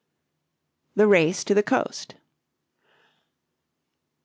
THE RACE TO THE COAST.